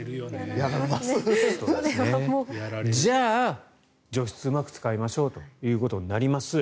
じゃあ除湿うまく使いましょうということになります。